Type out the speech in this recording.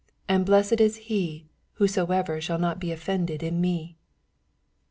6 And blessed is ^, whosoever shall not be offended in me.